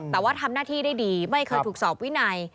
แต่ว่าทำหน้าที่ได้ดีไม่เคยถูกสอบวินัย